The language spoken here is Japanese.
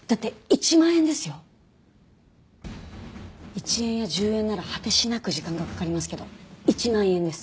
１円や１０円なら果てしなく時間がかかりますけど１万円です。